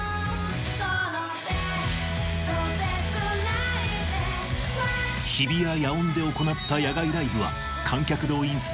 その手と手繋いで日比谷野音で行った野外ライブは観客動員数